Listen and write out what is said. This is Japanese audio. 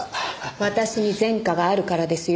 私に前科があるからですよ。